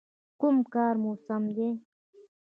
_کوم کار مو سم دی؟